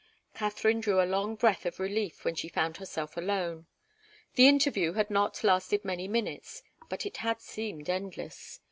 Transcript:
Katharine drew a long breath of relief when she found herself alone. The interview had not lasted many minutes, but it had seemed endless.